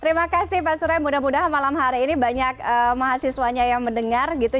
terima kasih pak surai mudah mudahan malam hari ini banyak mahasiswanya yang mendengar gitu